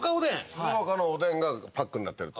静岡のおでんがパックになってると？